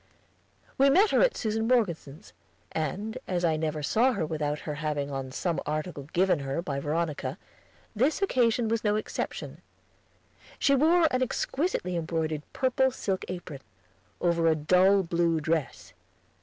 We met her at Susan Morgeson's, and, as I never saw her without her having on some article given her by Veronica, this occasion was no exception. She wore an exquisitely embroidered purple silk apron, over a dull blue dress.